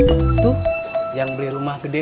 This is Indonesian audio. itu yang beli rumah besar